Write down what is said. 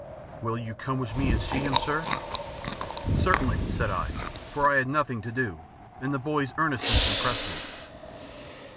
"Will you come with me and see him, sir?" "Certainly," said I, for I had nothing to do, and the boy's earnestness impressed me.